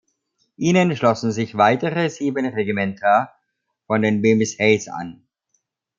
Ihnen schlossen sich weitere sieben Regimenter von den Bemis Heights an.